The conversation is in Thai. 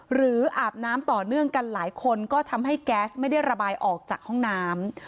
อาบน้ำต่อเนื่องกันหลายคนก็ทำให้แก๊สไม่ได้ระบายออกจากห้องน้ำ